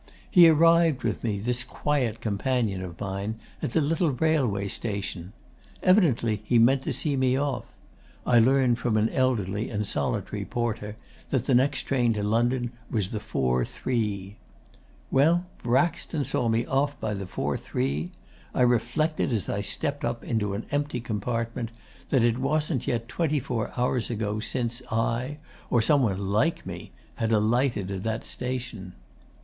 He arrived with me, this quiet companion of mine, at the little railway station. Evidently he meant to see me off. I learned from an elderly and solitary porter that the next train to London was the 4.3. 'Well, Braxton saw me off by the 4.3. I reflected, as I stepped up into an empty compartment, that it wasn't yet twenty four hours ago since I, or some one like me, had alighted at that station.